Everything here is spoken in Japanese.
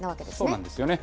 そうなんですよね。